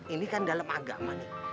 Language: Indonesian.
ini kan dalam agama nih